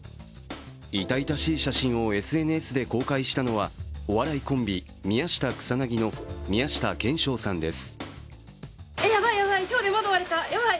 痛々しい写真をＳＮＳで公開したのはお笑いコンビ・宮下草薙の宮下兼史鷹さんです。